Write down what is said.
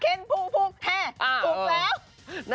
เคนภูมิภูมิแฮ่ฟูมิแล้ว